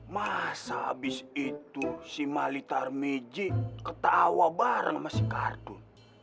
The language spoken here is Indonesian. masa abis itu si malia matarmidji ketawa bareng sama si kardun